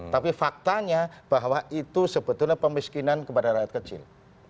tapi faktanya bahwa itu sebetulnya pemiskinan kepada rakyat kecil